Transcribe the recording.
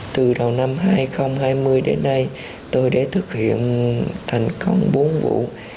từ đầu năm hai nghìn hai mươi đến nay tôi đã thực hiện thành công bốn vụ